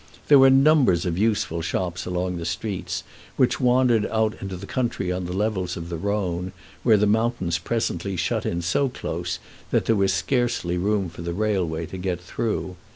There were numbers of useful shops along the street, which wandered out into the country on the levels of the Rhone, where the mountains presently shut in so close that there was scarcely room for the railway to get through.